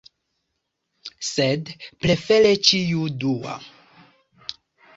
Sed prefere ĉiu dua.